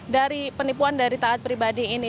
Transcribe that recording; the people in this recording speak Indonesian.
dari penipuan dari taat pribadi ini